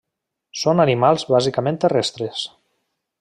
Són animals bàsicament terrestres.